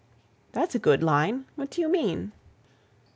"That's a good line—what do you mean?"